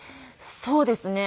そうですね。